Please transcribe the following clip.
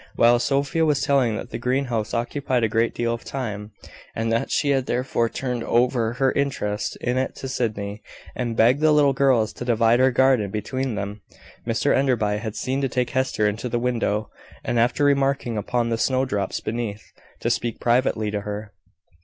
While Sophia was telling that the greenhouse occupied a great deal of time, and that she had therefore turned over her interest in it to Sydney, and begged the little girls to divide her garden between them, Mr Enderby was seen to take Hester into the window, and after remarking upon the snowdrops beneath, to speak privately to her.